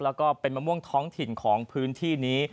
แล้วก็เป็นมะม่วงท้องถิ่นของพื้นที่นี้